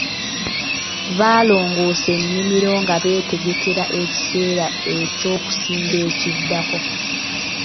Balongoosa ennimiro nga beetegekera ekiseera eky'okusimba ekiddako.